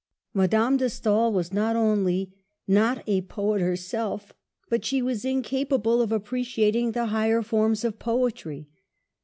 Madame de Stael was not only not a poet herself, but she was incapable of appreciating the higher forms of poetry.